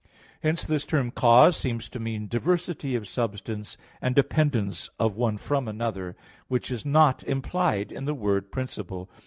Hence this term "cause" seems to mean diversity of substance, and dependence of one from another; which is not implied in the word "principle."